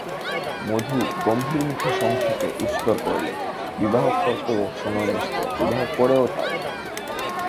মধু গম্ভীরমুখে সংক্ষেপে উত্তর করলে, বিবাহ করতেও সময় নষ্ট, বিবাহ করেও তাই।